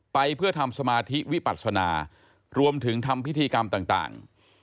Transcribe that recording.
ไปเพื่อทำสมาธิวิปัศนารวมถึงทำพิธีกรรมต่าง